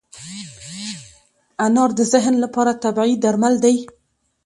انار د ذهن لپاره طبیعي درمل دی.